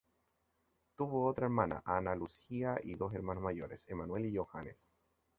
Tuvo otra hermana, Hanna Lucia, y dos hermanos mayores, Emanuel y Johannes.